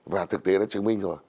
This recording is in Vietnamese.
và thực tế đã chứng minh rồi